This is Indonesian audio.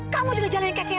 kamu juga jalanin kayak kek